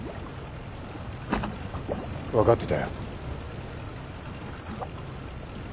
分かってた。